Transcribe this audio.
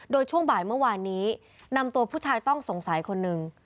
โดยช่วงบ่ายเมื่อวานนี้นำตัวผู้ชายต้องสงสัยคนหนึ่ง